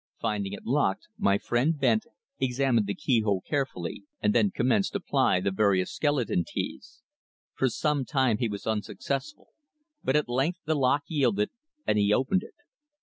Finding it locked, my friend bent, examined the keyhole carefully, and then commenced to ply the various skeleton keys. For some time he was unsuccessful, but at length the lock yielded and he opened it.